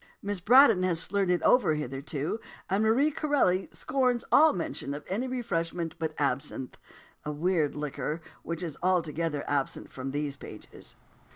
Miss Braddon has slurred it over hitherto, and Marie Corelli scorns all mention of any refreshment but absinthe a weird liquid which is altogether absent from these pages.